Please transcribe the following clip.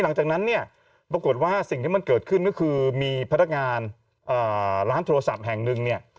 หลังจากนั้นเนี่ยปรากฏว่าสิ่งที่มันเกิดขึ้นก็คือมีพนักงานร้านโทรศัพท์แห่งหนึ่งเนี่ย